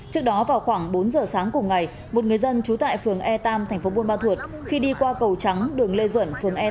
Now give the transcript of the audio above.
trước đó vào khoảng bốn giờ sáng cùng ngày một người dân trú tại phường e tam thành phố buôn ma thuột khi đi qua cầu trắng đường lê duẩn phường e